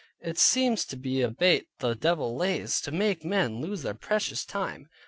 It seems to be a bait the devil lays to make men lose their precious time.